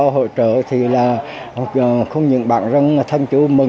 hỗ trợ thì là không những bạn thân chủ mừng